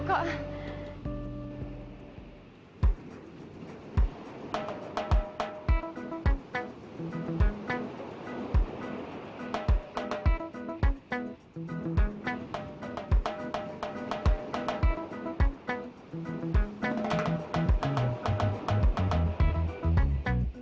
ya ini salah aku